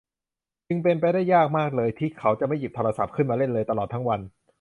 จึงเป็นไปได้ยากมากที่เขาจะไม่หยิบโทรศัพท์ขึ้นมาเล่นเลยตลอดทั้งวัน